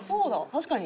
確かに。